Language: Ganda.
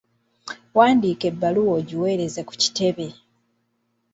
Wandiika ebbaluwa ogiweereze ku kitebe.